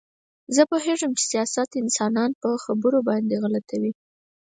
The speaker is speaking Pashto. زه پوهېدم چې سیاست انسانان په خبرو باندې غلطوي